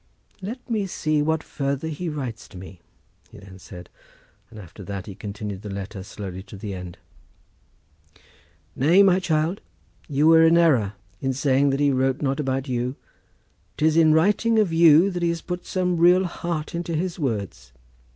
"Let me see what further he writes to me," he then said; and after that he continued the letter slowly to the end. "Nay, my child, you were in error in saying that he wrote not about you. 'Tis in writing of you he has put some real heart into his words.